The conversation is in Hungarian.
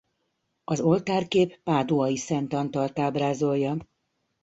Az oltárkép Páduai Szent Antalt ábrázolja.